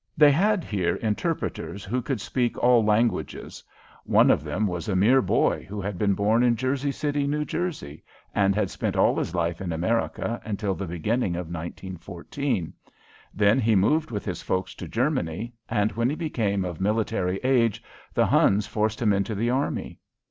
They had here interpreters who could speak all languages. One of them was a mere boy who had been born in Jersey City, New Jersey, and had spent all his life in America until the beginning of 1914. Then he moved with his folks to Germany, and when he became of military age the Huns forced him into the army.